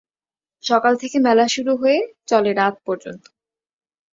সকাল থেকে মেলা শুরু হয়ে চলে রাত পর্যন্ত।